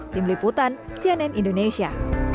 tim liputan cnn indonesia